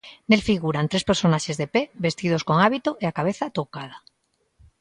Nel figuran tres personaxes de pé, vestidos con hábito e a cabeza toucada.